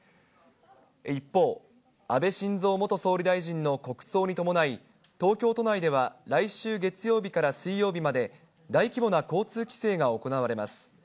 一方、安倍晋三元総理大臣の国葬に伴い、東京都内では来週月曜日から水曜日まで、大規模な交通規制が行われます。